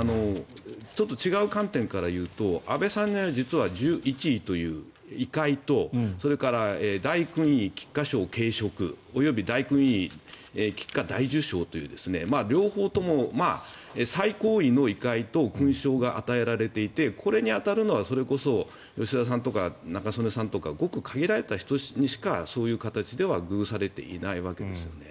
ちょっと違う観点からいうと安倍さんが実は１１位という位階とそれから大勲位菊花章頸飾及び大勲位菊花大綬章という両方とも最高位の位階と勲章が与えられていてこれに当たるのは、それこそ吉田さんとか中曽根さんとかごく限られた人にしかそういう形では与えられていないわけですね。